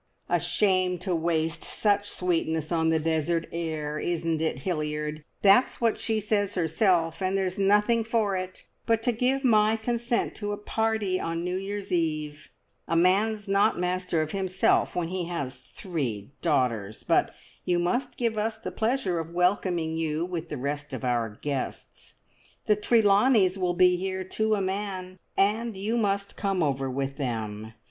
"A shame to waste such sweetness on the desert air, isn't it, Hilliard? That's what she says herself, and there's nothing for it but to give my consent to a party on New Year's Eve. A man's not master of himself when he has three daughters, but you must give us the pleasure of welcoming you with the rest of our guests. The Trelawneys will be here to a man, and you must come over with them.